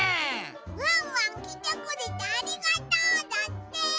「ワンワンきてくれてありがとう」だって！